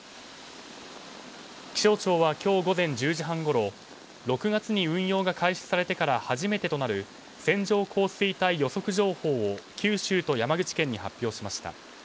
気象庁は今日午前１０時半ごろ６月に運用が開始されてから初めてとなる線状降水帯予測情報を九州と山口県に発表しました。